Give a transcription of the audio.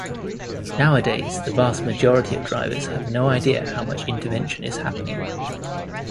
Nowadays, the vast majority of drivers have no idea how much intervention is happening.